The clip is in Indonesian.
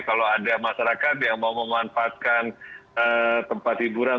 kalau ada masyarakat yang mau memanfaatkan tempat hiburan